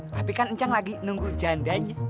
tapi kan encang lagi nunggu jandanya